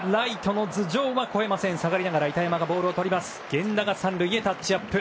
源田、３塁へタッチアップ。